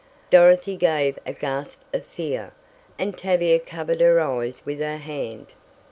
Dorothy gave a gasp of fear, and Tavia covered her eyes with her hand.